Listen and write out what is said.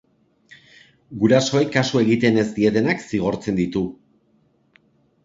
Gurasoei kasu egiten ez dietenak zigortzen ditu.